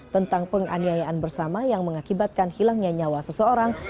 tentang penganiayaan bersama yang mengakibatkan hilangnya nyawa seseorang